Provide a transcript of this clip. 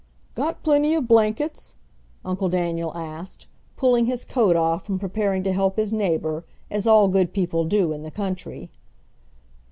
"Got plenty of blankets?" Uncle Daniel asked, pulling his coat off and preparing to help his neighbor, as all good people do in the country.